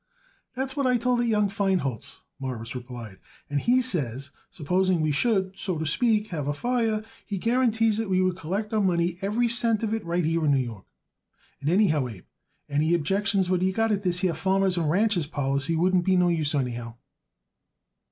"That's what I told it young Feinholz," Morris replied, "and he says supposing we should, so to speak, have a fire, he guarantees it we would collect our money every cent of it right here in New York. And anyhow, Abe, any objections what you got to this here Farmers and Ranchers' policy wouldn't be no use anyhow."